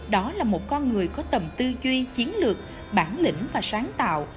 đó là một con người có tầm tư duy chiến lược bản lĩnh và sáng tạo